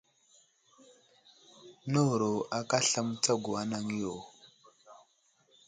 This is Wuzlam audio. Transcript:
Nəwuro aka aslam mətsago anaŋ yo.